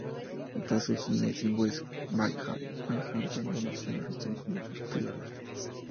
Pasó su niñez en West Village, Manhattan, donde asistió a colegios privados.